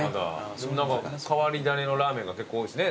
変わり種のラーメンが結構多いですね。